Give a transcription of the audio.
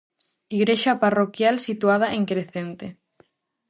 Igrexa parroquial situada en Crecente.